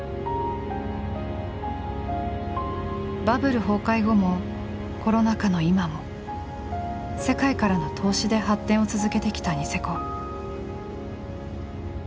バブル崩壊後もコロナ禍の今も世界からの投資で発展を続けてきたニセコ。